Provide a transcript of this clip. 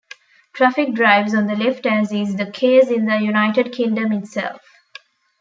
Traffic drives on the left as is the case in the United Kingdom itself.